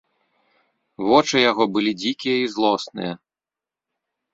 Вочы яго былі дзікія і злосныя.